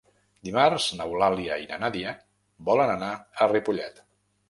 Dimarts n'Eulàlia i na Nàdia volen anar a Ripollet.